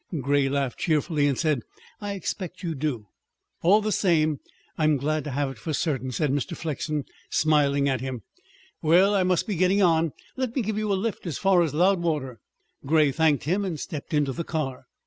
Grey laughed cheerfully and said: "I expect you do." "All the same, I'm glad to have it for certain," said Mr. Flexen, smiling at him. "Well, I must be getting on; let me give you a lift as far as Loudwater." Grey thanked him and stepped into the car.